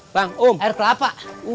bang om air kelapa